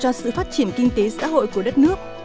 cho sự phát triển kinh tế xã hội của đất nước